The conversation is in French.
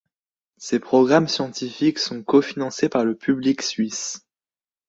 Ces programmes scientifiques sont cofinancés par le public suisse.